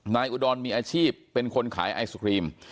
อุดรมีอาชีพเป็นคนขายไอศครีม